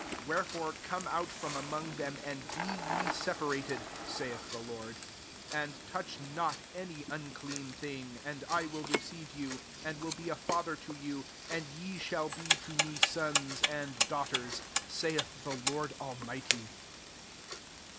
17 Wherefore come out from among them, and be ye sepa rated," sailh the Lord, "and touch not any unclean thing ; and I will receive you, 18 and vnll be a father to you, and ye shall be to me sons, and daugh ters," saith the Lord Almighty.